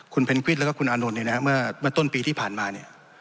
คุณเพนกวิทย์แล้วก็คุณอานนท์เนี่ยนะฮะเมื่อต้นปีที่ผ่านมาเนี่ย